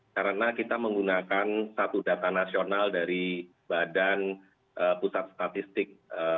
karena kita menggunakan satu data nasional dari badan pusat statistik